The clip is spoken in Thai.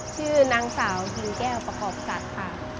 ชื่อนางสาวทีแก้วประคอบศาสตร์ค่ะ